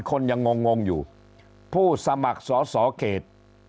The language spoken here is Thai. คนยังงงงอยู่ผู้สมัครสอสอเขต